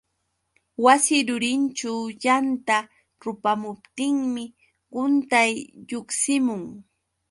Wasi rurinćhu yanta rupamuptinmi quntay lluqsimun.